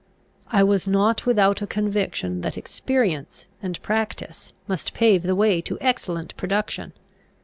I was not without a conviction that experience and practice must pave the way to excellent production.